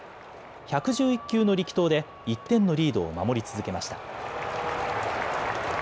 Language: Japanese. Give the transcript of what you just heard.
１１１球の力投で１点のリードを守り続けました。